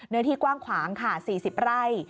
เนื้อที่กว้างขวางค่ะ๔๐ไร่